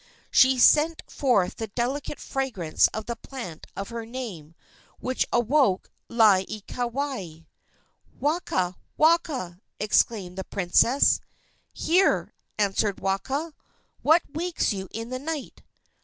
She sent forth the delicate fragrance of the plant of her name, which awoke Laieikawai. "Waka! Waka!" exclaimed the princess. "Here!" answered Waka. "What wakes you in the night?"